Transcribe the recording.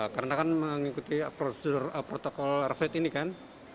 karena kan mengikuti protokol rapid ini kan